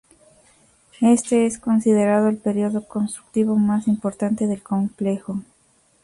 Este es considerado el periodo constructivo más importante del complejo.